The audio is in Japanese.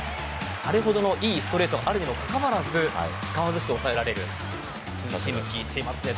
あれほどの良いストレートがあるにもかかわらず使わずして抑えられるツーシーム、効いていますね。